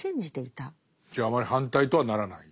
じゃああまり反対とはならない。